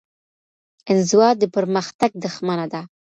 انزوا د پرمختګ دښمنه ده.